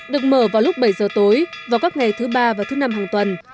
được mở vào lúc bảy giờ tối vào các ngày thứ ba và thứ năm hàng tuần